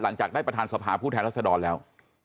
หลังจากได้ประธานสภาผู้แทนรัศดรแล้ว